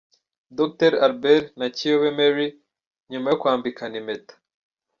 Dr Albert na Kiyobe Merry nyuma yo kwambikana impeta.